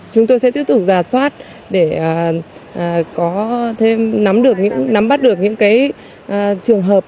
chúng tôi sẽ tiếp tục rà soát để nắm bắt được những trường hợp